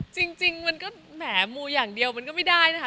จริงมันก็แหมมูอย่างเดียวมันก็ไม่ได้นะคะ